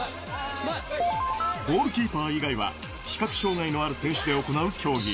ゴールキーパー以外は視覚障がいのある選手で行う競技。